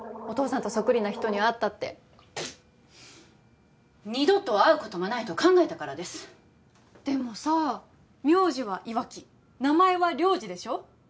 お父さんとそっくりな人に会ったって二度と会うこともないと考えたからですでもさ名字はイワキ名前はリョウジでしょ？